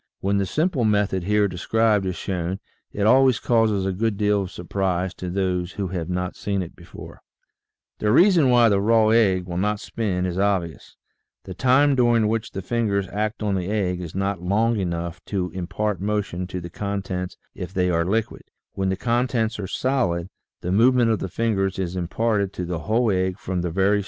When the simple method here described is shown it always causes a good deal of surprise to those who have not seen it before. The reason why the raw egg will not spin is obvious: The time during which the fingers act on the egg is not long enough to impart motion to the contents if they are liquid; when the contents are solid, the movement of the fingers is imparted to the whole egg from the very start, and when let go, the entire mass continues to rotate like a top.